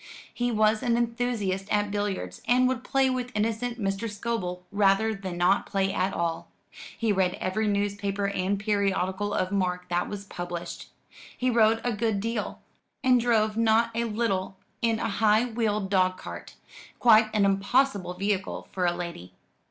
He was an enthusiast at billiards, and would play with innocent Mr. Scobel rather than not play at all. He read every newspaper and periodical of mark that was published. He rode a good deal, and drove not a little in a high wheeled dog cart; quite an impossible vehicle for a lady.